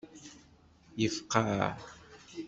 Yefqaɛ.